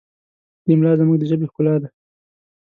املا زموږ د ژبې ښکلا ده.